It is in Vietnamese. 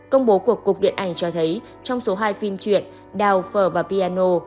công bố của cục điện ảnh cho thấy trong số hai phim truyện đào phở và piano